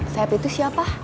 saeb itu siapa